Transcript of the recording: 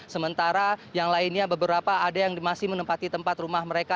sementara yang lainnya beberapa ada yang masih menempati tempat rumah mereka